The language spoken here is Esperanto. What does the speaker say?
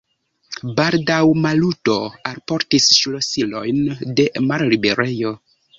Baldaŭ Maluto alportis ŝlosilojn de la malliberejo.